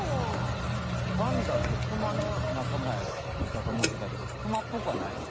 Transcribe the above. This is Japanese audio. パンダってクマのなかまやったとおもってたけどクマっぽくはないよね。